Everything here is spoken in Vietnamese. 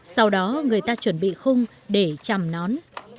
sau đó người ta chuẩn bị khung để chầm nón